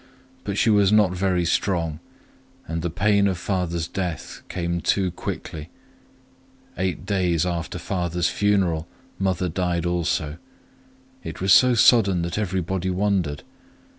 But she was not very strong, and the pain of father's death came too quickly. Eight days after father's funeral mother also died. It was so sudden that everybody wondered.